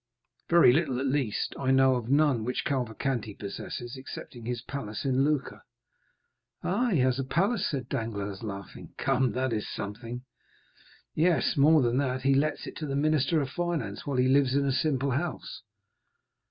"Very little, at least; I know of none which Cavalcanti possesses, excepting his palace in Lucca." "Ah, he has a palace?" said Danglars, laughing; "come, that is something." "Yes; and more than that, he lets it to the Minister of Finance while he lives in a simple house.